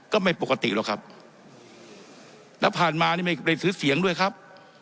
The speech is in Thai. ก็ไม่ปกติหรอกครับแล้วผ่านมานี่ไม่ได้ซื้อเสียงด้วยครับ